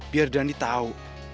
biar dhani tau